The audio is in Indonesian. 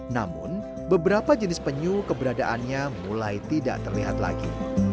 namun beberapa jenis penyu keberadaannya mulai tidak terlihat lagi